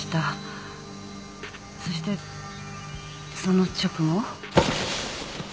そしてその直後？